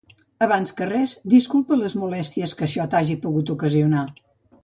Abans que res disculpa les molèsties que això t'hagi pogut ocasionar.